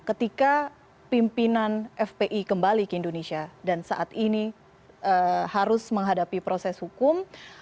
ketika pimpinan fpi kembali ke indonesia dan saat ini harus menghadapi proses hukum